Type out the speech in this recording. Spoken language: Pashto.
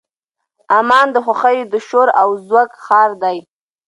عمان د خوښیو د شور او زوږ ښار دی.